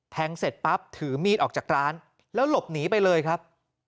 เสร็จปั๊บถือมีดออกจากร้านแล้วหลบหนีไปเลยครับ